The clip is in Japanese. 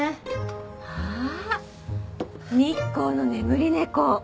あっ日光の眠り猫！